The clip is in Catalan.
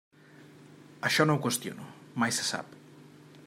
Això no ho qüestiono, mai se sap.